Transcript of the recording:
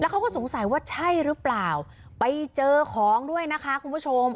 เขาก็สงสัยว่าใช่หรือเปล่าไปเจอของด้วยนะคะคุณผู้ชม